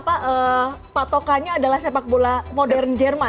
pak patokannya adalah sepak bola modern jerman